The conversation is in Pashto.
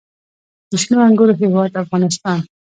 د شنو انګورو هیواد افغانستان.